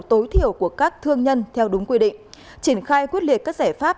tối thiểu của các thương nhân theo đúng quy định triển khai quyết liệt các giải pháp